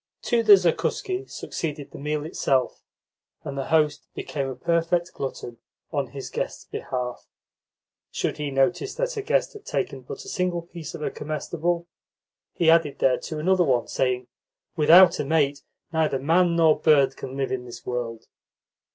To the zakuski succeeded the meal itself, and the host became a perfect glutton on his guests' behalf. Should he notice that a guest had taken but a single piece of a comestible, he added thereto another one, saying: "Without a mate, neither man nor bird can live in this world."